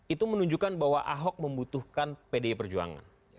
itu menunjukkan bahwa ahok membutuhkan pdi perjuangan